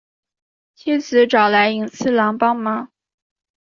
妻子来找寅次郎帮忙。